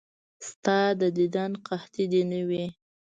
ستا د دیدن قحطي دې نه وي.